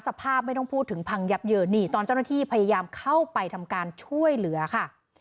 สภาพไม่ต้องพูดถึงพังยับเยินนี่ตอนเจ้าหน้าที่พยายามเข้าไปทำการช่วยเหลือค่ะ